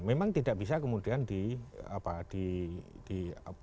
memang tidak bisa kemudian dihadapkan pada satu satunya